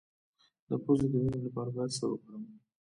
د پوزې د وینې لپاره باید څه وکړم؟